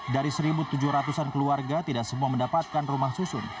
dari satu tujuh ratus an keluarga tidak semua mendapatkan rumah susun